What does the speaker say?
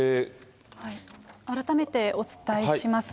改めてお伝えします。